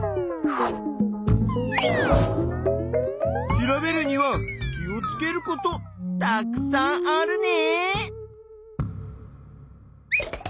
調べるには気をつけることたくさんあるね！